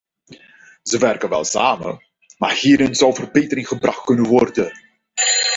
Zij werken wel samen, maar hierin zou verbetering gebracht kunnen worden.